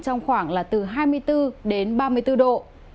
trong khoảng là từ hai mươi bốn đến ba mươi bốn độ